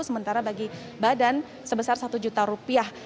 sementara bagi badan sebesar satu juta rupiah